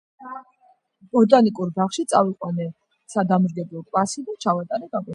ბოტანიკურ ბაღში წავიყვანე სადამრიგებლო კლასი და ჩავატარებ გაკვეთილი